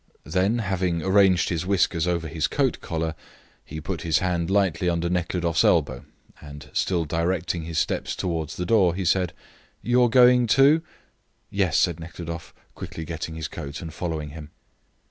Then, having arranged his whiskers over his coat collar, he put his hand lightly under Nekhludoff's elbow, and, still directing his steps towards the front door, he said, "You are going, too?" "Yes," said Nekhludoff, quickly getting his coat, and following him.